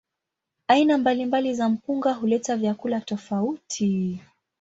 Aina mbalimbali za mpunga huleta vyakula tofauti.